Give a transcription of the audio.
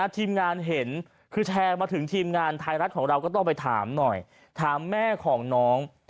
ทีมงานเห็นคือแชร์มาถึงทีมงานไทยรัฐของเราก็ต้องไปถามหน่อยถามแม่ของน้อง